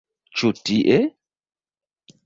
Ĉu tie?